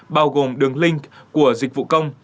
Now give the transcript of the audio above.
bao gồm đường link của dịch vụ công